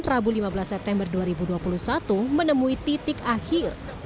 rabu lima belas september dua ribu dua puluh satu menemui titik akhir